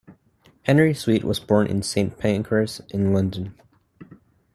Henry Sweet was born in Saint Pancras in London.